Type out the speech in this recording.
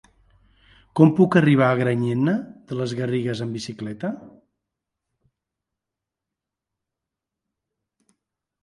Com puc arribar a Granyena de les Garrigues amb bicicleta?